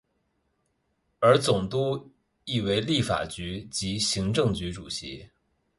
而总督亦为立法局及行政局主席。